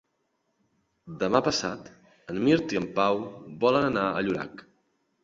Demà passat en Mirt i en Pau volen anar a Llorac.